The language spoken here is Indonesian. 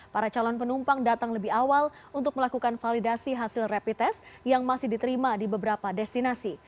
para calon penumpang datang lebih awal untuk melakukan validasi hasil rapid test yang masih diterima di beberapa destinasi